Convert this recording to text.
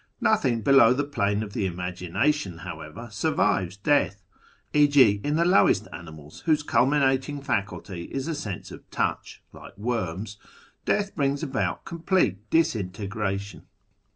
Nothing below the plane of the Imagination, however, survives death : e.g. in the I lowest animals, whose culminating faculty is a sense of touch '(like worms), death brings about complete disintegration.